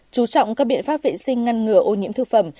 chú trọng các biện pháp vệ sinh ngăn ngừa ô nhiễm thực phẩm